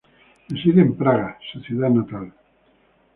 Reside en Praga, su ciudad natal.